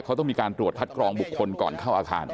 เขาต้องมีการตรวจคัดกรองบุคคลก่อนเข้าอาคาร